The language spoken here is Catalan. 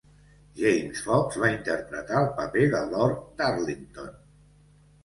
James Fox va interpretar el paper de Lord Darlington.